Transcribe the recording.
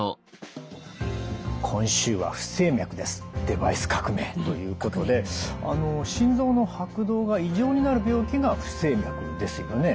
デバイス革命ということで心臓の拍動が異常になる病気が不整脈ですよね？